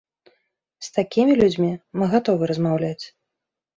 З такімі людзьмі мы гатовы размаўляць.